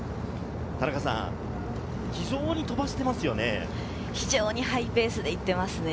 田中さん、非常に飛ばしてますね。